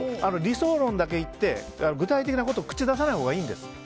理想論だけ言って具体的なことを口出さないほうがいいんです。